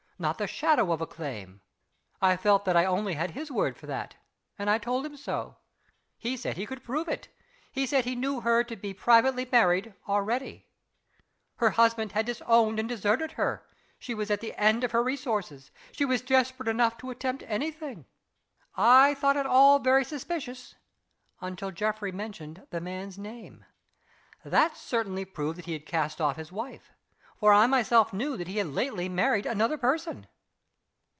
Not the shadow of a claim. I felt that I only had his word for that and I told him so. He said he could prove it he said he knew her to be privately married already. Her husband had disowned and deserted her; she was at the end of her resources; she was desperate enough to attempt any thing. I thought it all very suspicious until Geoffrey mentioned the man's name. That certainly proved that he had cast off his wife; for I myself knew that he had lately married another person."